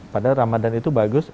padahal ramadhan itu bagus